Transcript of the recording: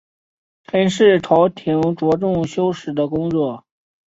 陈氏朝廷着重修史的工作。